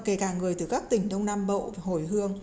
kể cả người từ các tỉnh đông nam bộ hồi hương